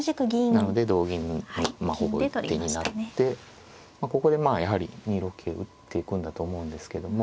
なので同銀のまあほぼ一手になってここでまあやはり２六桂打っていくんだと思うんですけども。